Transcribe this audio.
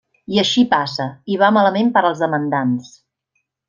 I així passa, i va malament per als demandants.